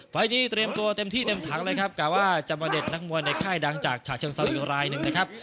ไฟล์นี้เตรียมตัวเต็มที่เต็มถังเลยครับกะว่าจะมาเด็ดนักมวยในค่ายดังจากฉะเชิงเซาอีกรายหนึ่งนะครับ